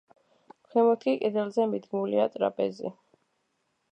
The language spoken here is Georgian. ქვემოთ კი, კედელზე, მიდგმულია ტრაპეზი.